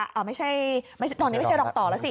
ไม่ใช่ตอนนี้ไม่ใช่รองต่อแล้วสิ